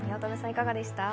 いかがでした？